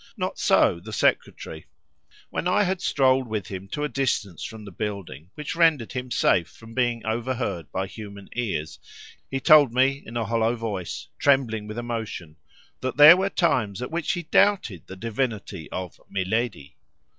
Not so the secretary. When I had strolled with him to a distance from the building, which rendered him safe from being overheard by human ears, he told me in a hollow voice, trembling with emotion, that there were times at which he doubted the divinity of "milèdi."